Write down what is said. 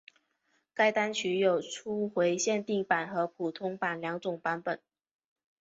该单曲有初回限定版和通常版两种版本。